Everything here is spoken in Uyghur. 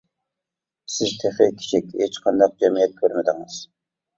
سىز تېخى كىچىك ھېچقانداق جەمئىيەت كۆرمىدىڭىز.